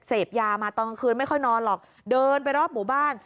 เสพยามาตอนกลางคืนไม่ค่อยนอนหรอกเดินไปรอบหมู่บ้าน